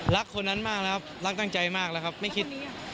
รักคนนั้นมากนะครับรักตั้งใจมากแล้วครับไม่คิด